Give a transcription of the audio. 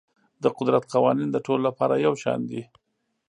د قدرت قوانین د ټولو لپاره یو شان دي.